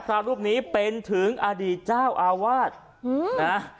พระรูปนี้เป็นถึงอดีตเจ้าอาวาสนะ